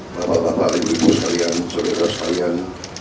bapak bapak ibu ibu sekalian saudara sekalian